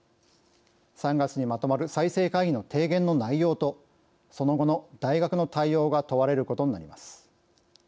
３月にまとまる再生会議の提言の内容とその後の大学の対応が問われることになります。